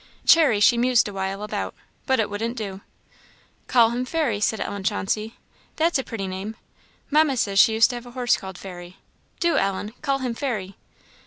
"Cherry" she mused awhile about, but it wouldn't do. "Call him Fairy," said Ellen Chauncey "that's a pretty name. Mamma says she used to have a horse called Fairy. Do, Ellen! call him Fairy."